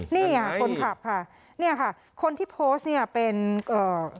นี่ค่ะคนขับค่ะเนี่ยค่ะคนที่โพสต์เนี่ยเป็นเอ่อ